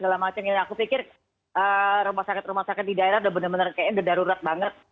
dan aku pikir rumah sakit rumah sakit di daerah sudah benar benar sudah darurat banget